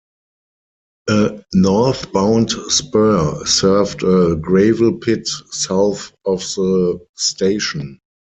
A northbound spur served a gravel pit south of the station.